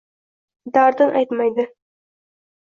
Dardin aytmaydi